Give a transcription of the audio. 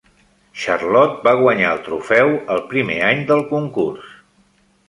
Charlotte va guanyar el trofeu el primer any del concurs.